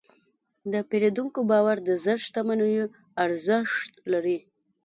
د پیرودونکي باور د زر شتمنیو ارزښت لري.